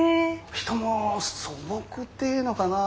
人も素朴っていうのかな。